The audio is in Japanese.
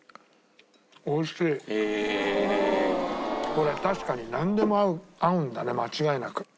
これ確かになんでも合うんだね間違いなく。